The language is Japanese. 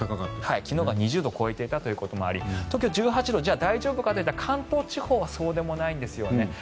昨日が２０度を超えていたということもあり東京は１８度大丈夫かといったら、関東地方はそうでもないんですよね。